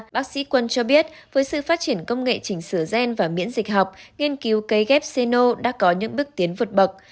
bác sĩ quân cho biết với sự phát triển công nghệ chỉnh sửa gen và miễn dịch học nghiên cứu cấy ghép seno đã có những bước tiến vượt bậc